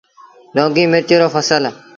لونگيٚ مرچآݩ رو ڦسل